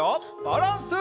バランス！